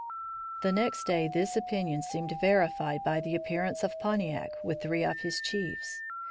The next day this opinion seemed verified by the appearance, of Pontiac with three of his chiefs.